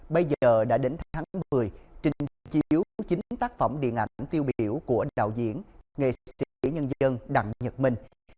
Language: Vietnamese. bây giờ đã đến tháng một mươi trình chiếu chín tác phẩm điện ảnh tiêu biểu của đạo diễn nghệ sĩ nhân dân đặng nhật minh